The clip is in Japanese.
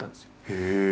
へえ！